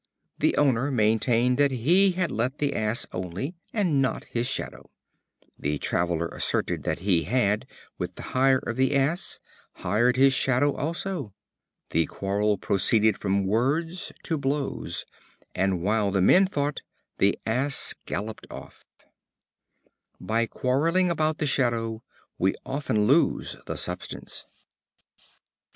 The owner maintained that he had let the Ass only, and not his Shadow. The traveler asserted that he had, with the hire of the Ass, hired his Shadow also. The quarrel proceeded from words to blows, and while the men fought the Ass galloped off. In quarreling about the shadow we often lose the substance.